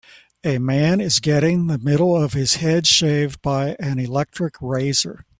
A man is getting the middle of his head shaved by an electric razor